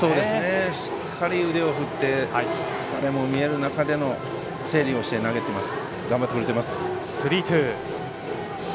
しっかり腕を振って疲れも見える中でも整理をして投げています。